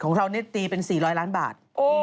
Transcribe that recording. ของเรานี่ตีเป็น๔๐๐ล้านบาท